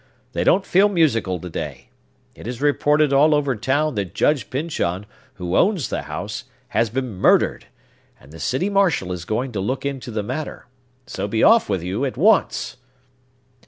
They don't feel musical to day. It is reported all over town that Judge Pyncheon, who owns the house, has been murdered; and the city marshal is going to look into the matter. So be off with you, at once!"